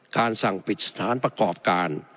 การสั่งปิดสถานประกอบการ